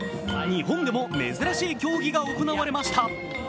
日本でも珍しい競技が行われました。